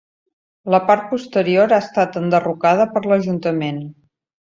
La part posterior ha estat enderrocada per l'Ajuntament.